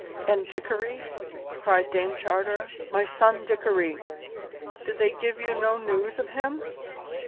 "And Dickory," cried Dame Charter, "my son Dickory! Did they give you no news of him?"